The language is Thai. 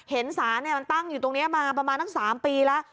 เห็นศาลนี่มันตั้งอยู่ตรงนี้มาประมาณทั้ง๓ปีแหละ